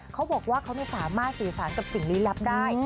เขาบอกว่าเขาสามารถสื่อสารกับสิ่งลี้ลับได้